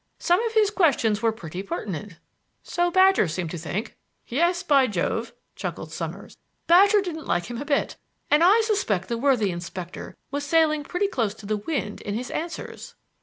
Some of his questions were pretty pertinent." "So Badger seemed to think." "Yes, by Jove," chuckled Summers. "Badger didn't like him a bit; and I suspect the worthy inspector was sailing pretty close to the wind in his answers."